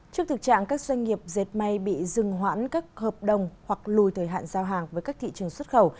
trước thực trạng các doanh nghiệp dệt may bị dừng hoãn các hợp đồng hoặc lùi thời hạn giao hàng với các thị trường xuất khẩu